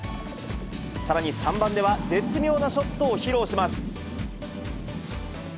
さらに３番では、絶妙なショットを披露します。